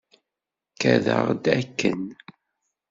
Kadeɣ-d akken.